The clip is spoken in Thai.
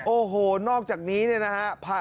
โอ้โหนอกจากนี้เนี่ยนะฮะ